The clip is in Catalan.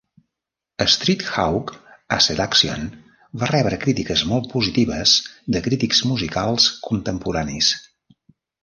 "Streethawk: A Seduction" va rebre crítiques molt positives de crítics musicals contemporanis.